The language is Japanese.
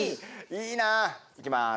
いいなあ。いきます。